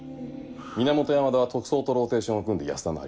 源山田は特捜とローテンションを組んで安田の張り込み。